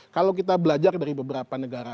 kalau kita belajar dari beberapa negara